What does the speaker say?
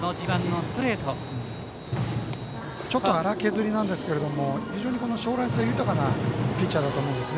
ちょっと荒削りなんですけど将来性豊かなピッチャーだと思います。